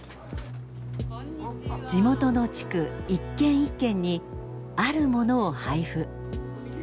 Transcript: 地元の地区一軒一軒にあるものを配布。